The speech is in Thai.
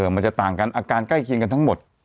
มันจะต่างกันอาการใกล้เคียงกันทั้งหมด